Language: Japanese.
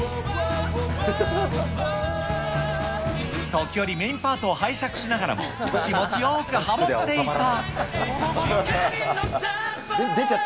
時折、メインパートを拝借しながらも、気持ちよくハモっていた。